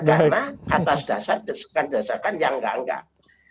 karena atas dasar desakan desakan yang enggak enggak